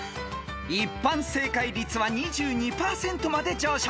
［一般正解率は２２％まで上昇］